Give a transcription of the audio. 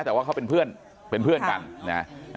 แต่ว่าเขาเป็นเพื่อนกัน